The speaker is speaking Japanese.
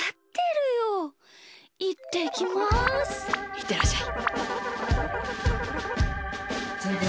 いってらっしゃい。